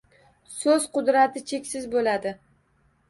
So’z qudrati cheksiz bo‘ladi.